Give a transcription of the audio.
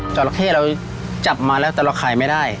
จราเข้เราจับมาแล้วแต่เราขายไม่ได้